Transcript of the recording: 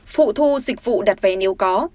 phụ thu dịch vụ đặt vé nếu có